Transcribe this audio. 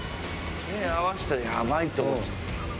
目合わせたらやばいと。